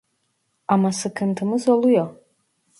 Ama sıkıntımız oluyor